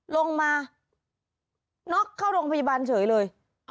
ลงมาน็อกเข้าโรงพยาบาลเฉยเลย